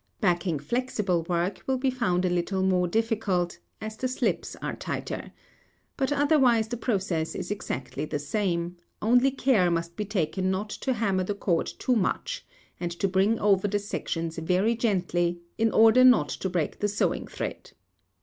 Backing flexible work will be found a little more difficult, as the slips are tighter; but otherwise the process is exactly the same, only care must be taken not to hammer the cord too much, and to bring over the sections very gently, in order not to break the sewing thread.